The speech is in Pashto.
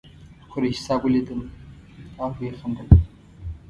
قریشي صاحب ولیدم او وخندل.